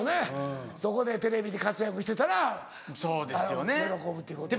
そこでテレビで活躍してたら喜ぶっていうことや。